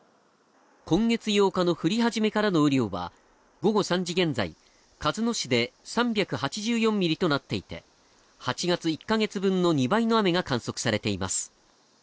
今月８日の降り始めからの雨量は午後３時現在鹿角市で３８４ミリとなっていて、８月１カ月分の２倍の雨が観測されています。